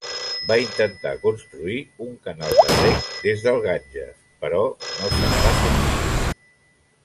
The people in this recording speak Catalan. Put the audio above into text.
Va intentar construir un canal de reg des del Ganges però no se'n va sortir.